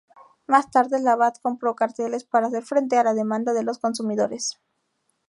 Más tarde, Labatt compró carteles para hacer frente a la demanda de los consumidores.